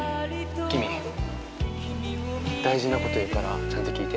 キミ大事なこと言うからちゃんと聞いて。